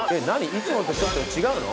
いつもとちょっと違うの？